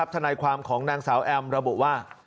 ทนายความของนางสาวแอมระบุว่า